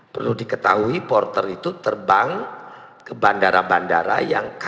perlu diketahui porter itu terbang ke bandara bandara yang kaya